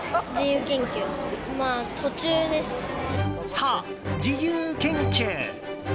そう、自由研究。